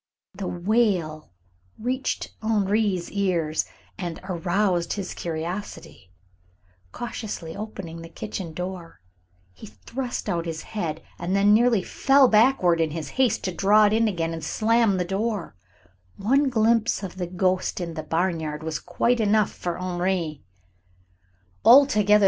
The wail reached Henri's ears and aroused his curiosity. Cautiously opening the kitchen door, he thrust out his head, and then nearly fell backward in his haste to draw it in again and slam the door. One glimpse of the ghost in the barnyard was quite enough for Henri.